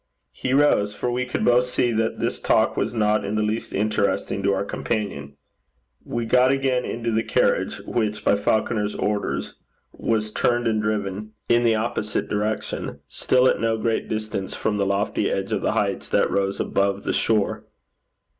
He rose, for we could both see that this talk was not in the least interesting to our companion. We got again into the carriage, which, by Falconer's orders, was turned and driven in the opposite direction, still at no great distance from the lofty edge of the heights that rose above the shore.